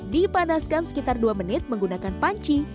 dipanaskan sekitar dua menit menggunakan panci